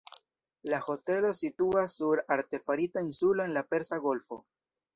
La hotelo situas sur artefarita insulo en la Persa Golfo.